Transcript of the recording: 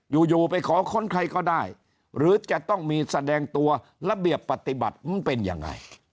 อยู่อยู่ไปขอค้นใครก็ได้หรือจะต้องมีแสดงตัวระเบียบปฏิบัติมันเป็นยังไง